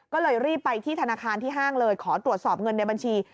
ก็เลยรีบไปที่ธนาคารที่ห้างเลยขอตรวจสอบเงินในบัญชี